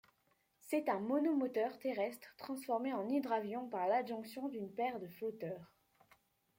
C'est un monomoteur terrestre transformé en hydravion par l’adjonction d’une paire de flotteurs.